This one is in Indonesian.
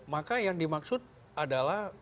maka yang dimaksud adalah